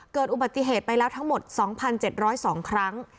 เกิดอุบัติเหตุไปแล้วทั้งหมด๒๗๐๒ครั้ง